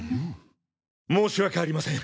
申し訳ありません。